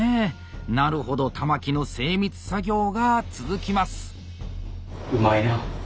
なるほど玉木の精密作業が続きます。